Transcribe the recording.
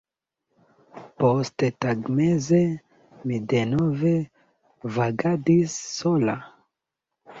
Posttagmeze mi denove vagadis sola.